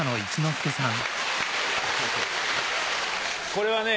これはね